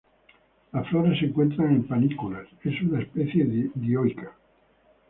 Las flores se encuentran en panículas, es una especie dioica.